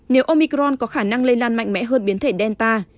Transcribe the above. nếu omicron có khả năng lây lan mạnh mẽ hơn biến thể delta